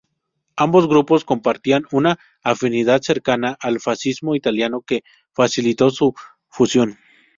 Ambos grupos compartían una afinidad cercana al fascismo italiano que facilitó su fusión.